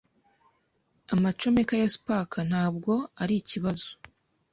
Amacomeka ya spark ntabwo arikibazo.